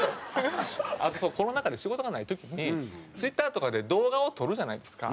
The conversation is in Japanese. あとコロナ禍で仕事がない時にＴｗｉｔｔｅｒとかで動画を撮るじゃないですか。